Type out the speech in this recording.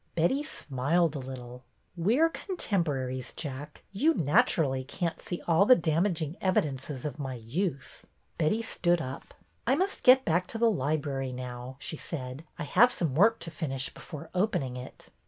Betty smiled a little. We are contemporaries. Jack. You, natu rally, can't see all the damaging evidences of my youth." Betty stood up. IN THE TEA ROOM 23s I must go back to the library now/' she said. I have some work to finish before opening it."